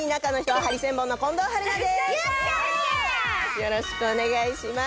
よろしくお願いします。